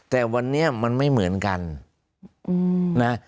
แต่วันนี้มันไม่เหมือนกันนะ